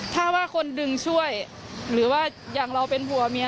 ถ้าว่าคนดึงช่วยหรือว่าอย่างเราเป็นผัวเมีย